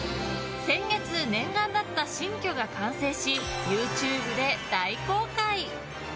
先月念願だった新居が完成しＹｏｕＴｕｂｅで大公開！